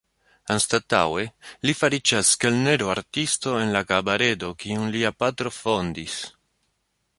Anstataŭe li fariĝas kelnero-artisto en la kabaredo, kiun lia patro fondis.